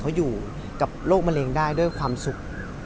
เขาอยู่กับโรคมะเร็งได้ด้วยความสุข